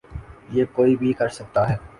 یہ کوئی بھی کر سکتا ہے۔